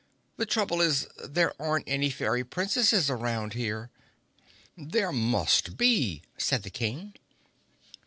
The trouble is there aren't any Fairy Princesses around here!" "There must be," said the King.